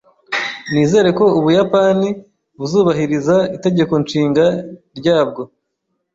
Nizere ko Ubuyapani buzubahiriza Itegeko Nshinga ryabwo.